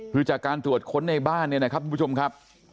เพื่อจากการตรวจค้นในบ้านนะครับทุกชมครับ